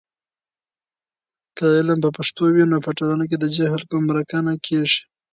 که علم په پښتو وي، نو په ټولنه کې د جهل کمرنګه کیږي.